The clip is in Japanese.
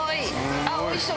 あっおいしそう！